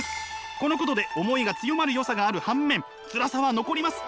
このことで思いが強まるよさがある反面つらさは残ります。